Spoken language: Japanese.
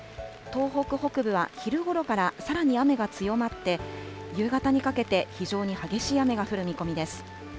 東北北部は昼ごろからさらに雨が強まって、夕方にかけて、非常に激しい雨が降る見込みです。